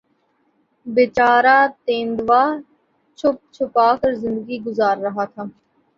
بیچارہ تیندوا چھپ چھپا کر زندگی گزار رہا تھا